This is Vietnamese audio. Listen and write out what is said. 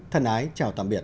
thân ái chào tạm biệt